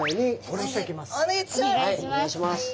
お願いします！